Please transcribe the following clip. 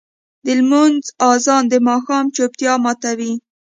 د لمونځ اذان د ماښام چوپتیا ماتوي.